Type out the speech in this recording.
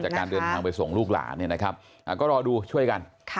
การเดินทางไปส่งลูกหลานเนี่ยนะครับก็รอดูช่วยกัน